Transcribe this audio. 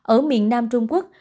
ở miền nam trung quốc